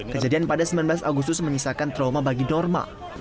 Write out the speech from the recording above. kejadian pada sembilan belas agustus menyisakan trauma bagi norma